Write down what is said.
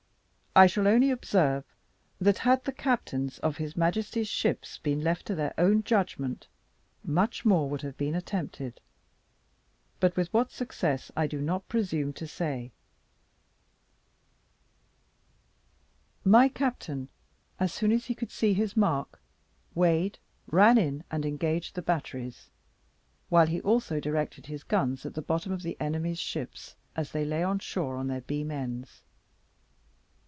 I shall only observe, that had the captains of His Majesty's ships been left to their own judgment, much more would have been attempted; but with what success I do not presume to say. My captain, as soon as he could see his mark, weighed, ran in, and engaged the batteries, while he also directed his guns at the bottoms of the enemy's ships, as they lay on shore on their beam ends.